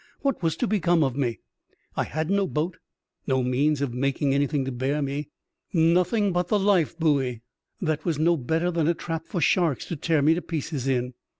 What was to become of me ? I had no boat, no means of making anything to bear me — nothing but the life buoy that was no better than a trap for sharks to tear me to pieces in.